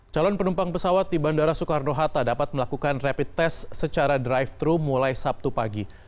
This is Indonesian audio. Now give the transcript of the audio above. calon penumpang pesawat di bandara soekarno hatta dapat melakukan rapid test secara drive thru mulai sabtu pagi